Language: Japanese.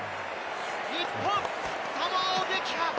日本、サモアを撃破！